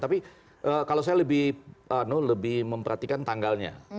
tapi kalau saya lebih memperhatikan tanggalnya